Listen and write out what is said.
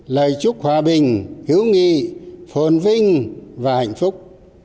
lời chúc hòa bình hữu nghị phồn vinh và hạnh phúc